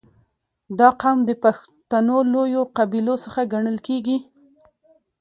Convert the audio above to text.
• دا قوم د پښتنو لویو قبیلو څخه ګڼل کېږي.